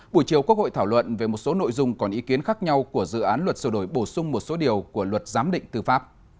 buổi chiều quốc hội thảo luận về một số nội dung còn ý kiến khác nhau của dự án luật sửa đổi bổ sung một số điều của luật giám định tư pháp